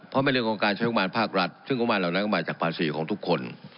เพราะในเรื่องของการใช้โครงการภาครัฐซึ่งโครงการเหล่านั้นก็มาจากภาษีของทุกคน